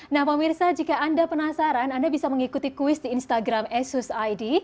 nah pemirsa jika anda penasaran anda bisa mengikuti kuis di instagram asus id